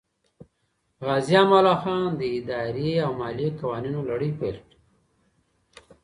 غازي امان الله خان د اداري او مالیې قوانینو لړۍ پیل کړه.